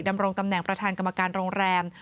ดำรงตำแหน่งประธานกรรมการโรงแรม